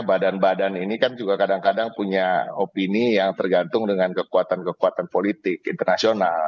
badan badan ini kan juga kadang kadang punya opini yang tergantung dengan kekuatan kekuatan politik internasional